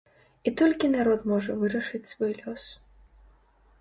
І толькі народ можа вырашыць свой лёс.